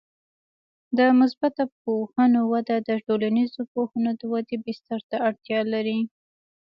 د مثبته پوهنو وده د ټولنیزو پوهنو د ودې بستر ته اړتیا لري.